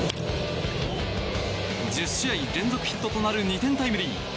１０試合連続ヒットとなる２点タイムリー。